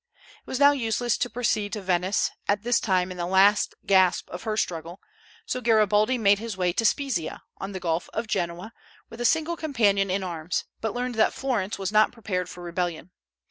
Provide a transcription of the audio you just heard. It was now useless to proceed to Venice, at this time in the last gasp of her struggle; so Garibaldi made his way to Spezzia, on the Gulf of Genoa, with a single companion in arms, but learned that Florence was not prepared for rebellion.